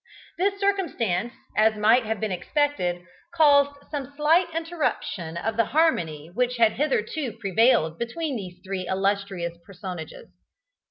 This circumstance, as might have been expected, caused some slight interruption of the harmony which had hitherto prevailed between these three illustrious personages.